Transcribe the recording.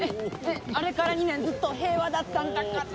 あれから２年ずっと平和だったんだから。